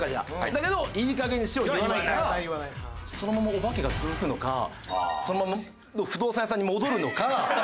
だけど「いいかげんにしろ」を言わないからそのままオバケが続くのかそのまま不動産屋さんに戻るのか。